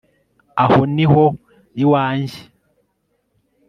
aho ni ho iwanjye